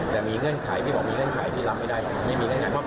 แต่มีเงื่อนไขที่บอกมีเงื่อนไขที่รับไม่ได้ไม่มีเงื่อนไขเพราะ